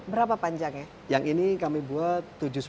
berapa panjangnya yang ini kami buat